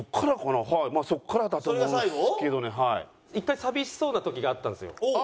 １回寂しそうな時があったんですよ。